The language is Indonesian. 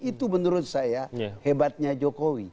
itu menurut saya hebatnya jokowi